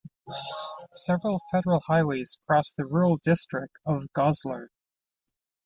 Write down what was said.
Several federal highways cross the rural district of Goslar.